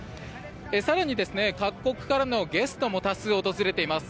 更に各国からのゲストも多数訪れています。